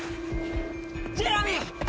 ジェラミー！